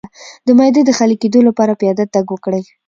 د معدې د خالي کیدو لپاره پیاده تګ وکړئ